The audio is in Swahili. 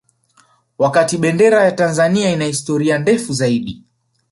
Wakati Bendera ya Tanzania ina historia ndefu zaidi